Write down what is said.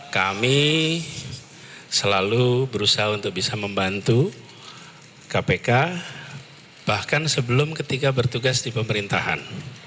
kami selalu berusaha untuk bisa membantu kpk bahkan sebelum ketika bertugas di pemerintahan